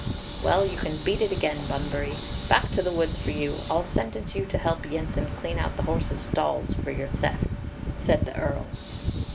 "Well, you can beat it again, Bunbury. Back to the woods for you! I'll sentence you to help Yensen clean out the horses' stalls for your theft," said the Earl.